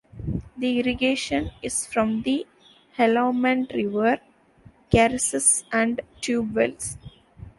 The irrigation is from the Helamand River, karezes and tube-wells.